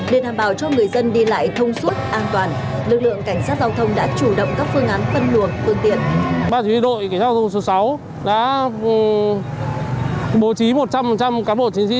để đảm bảo cho người dân đi lại thông suốt an toàn